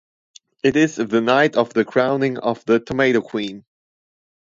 It is the night of the crowning of the Tomato Queen.